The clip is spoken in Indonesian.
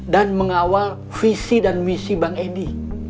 mengawal visi dan misi bang edi